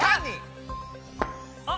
あっ！